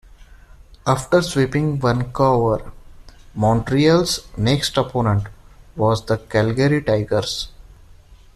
After sweeping Vancouver, Montreal's next opponent was the Calgary Tigers.